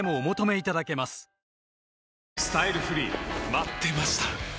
待ってました！